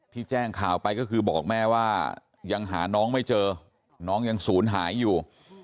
แจ้งข่าวไปก็คือบอกแม่ว่ายังหาน้องไม่เจอน้องยังศูนย์หายอยู่